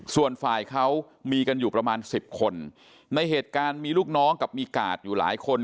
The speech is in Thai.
ส่วนฝ่ายเขามีกันอยู่ประมาณสิบคนในเหตุการณ์มีลูกน้องกับมีกาดอยู่หลายคน